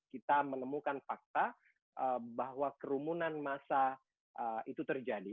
kita menemukan fakta bahwa kerumunan masa itu terjadi